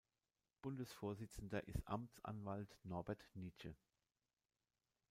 Bundesvorsitzender ist Amtsanwalt Norbert Nitsche.